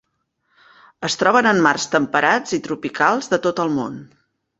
Es troben en mars temperats i tropicals de tot el món.